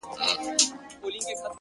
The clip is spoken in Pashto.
نوم مي د ليلا په لاس کي وليدی;